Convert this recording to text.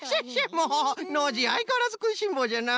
もうノージーあいかわらずくいしんぼうじゃな。